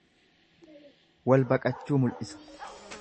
Walbaqachuu mul'isa..